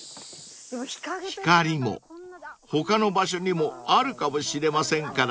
［ヒカリモ他の場所にもあるかもしれませんからね］